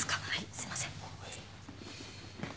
すいません。